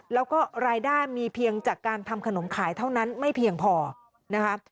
แล้วก็รายได้มีเพียงจากการทำขนมขายเท่านั้นไม่เพียงพอนะคะ